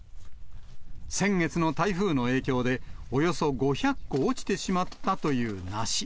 先月の台風の影響で、およそ５００個落ちてしまったという梨。